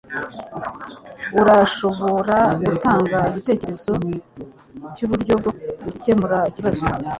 Urashobora gutanga igitekerezo cyuburyo bwo gukemura ikibazo